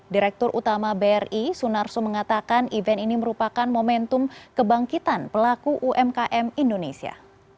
direktur utama bri sunarso mengatakan event ini merupakan momentum kebangkitan pelaku umkm indonesia